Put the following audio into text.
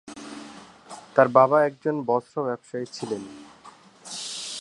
তাঁর বাবা একজন বস্ত্র ব্যবসায়ী ছিলেন।